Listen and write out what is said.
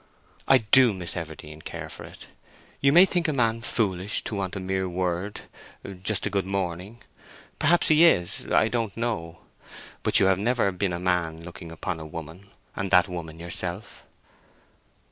I do, Miss Everdene, care for it. You may think a man foolish to want a mere word—just a good morning. Perhaps he is—I don't know. But you have never been a man looking upon a woman, and that woman yourself."